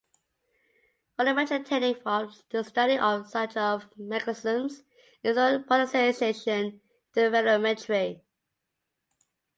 One emerging technique for the study of such mechanisms is dual polarisation interferometry.